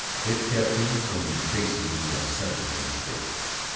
It kept him from facing the obscenity of fate.